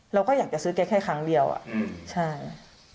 เราก็อยากจะซื้อแกแค่ครั้งเดียวอ่ะใช่